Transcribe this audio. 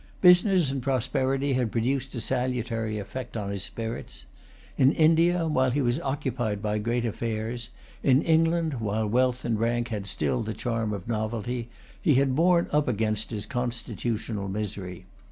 Business and prosperity had produced a salutary effect on his spirits. In India, while he was occupied by great affairs, in England, while wealth and rank had still the charm of novelty, he had borne up against his constitutional misery.